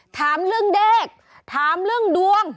ถามเรื่องเลขถามเรื่องดวง